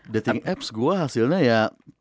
dating apps gue hasilnya ya